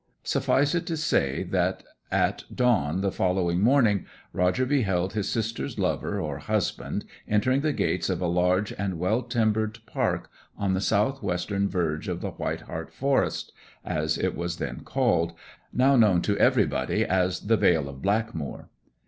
Suffice it to say that at dawn the following morning Roger beheld his sister's lover or husband entering the gates of a large and well timbered park on the south western verge of the White Hart Forest (as it was then called), now known to everybody as the Vale of Blackmoor.